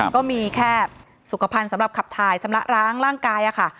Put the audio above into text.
ก็มีแค่สุขภัณฑ์สำหรับขับถ่ายชำระร้างร่างกายค่ะ